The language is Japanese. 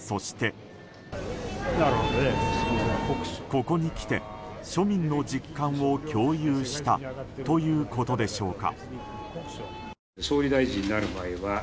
ここにきて、庶民の実感を共有したということでしょうか。